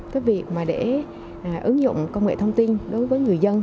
cái việc mà để ứng dụng công nghệ thông tin đối với người dân